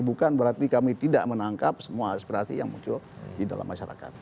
bukan berarti kami tidak menangkap semua aspirasi yang muncul di dalam masyarakat